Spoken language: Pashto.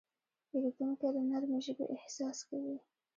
پیرودونکی د نرمې ژبې اغېز حس کوي.